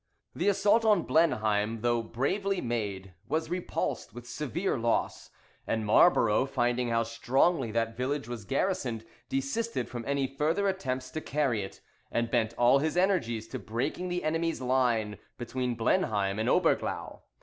The assault on Blenheim, though bravely made, was repulsed with severe loss; and Marlborough, finding how strongly that village was garrisoned, desisted from any further attempts to carry it, and bent all his energies to breaking the enemy's line between Blenheim and Oberglau.